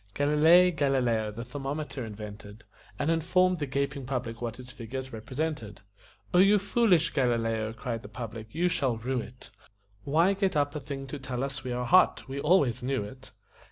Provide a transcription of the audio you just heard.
Galilei Galileo the thermometer invented And informed the gaping public what its figures represented. "O you foolish Galileo," cried the public, "you shall rue it! Why get up a thing to tell us we are hot? We always knew it."